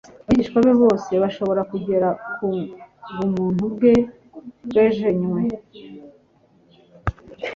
Abigishwa be bose bashobora kugera ku bumuntu bwe bwejeywe